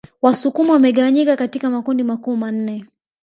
Wasukuma wamegawanyika katika makundi makuu manne